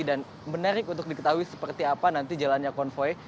dan menarik untuk diketahui seperti apa nanti jalannya konvoy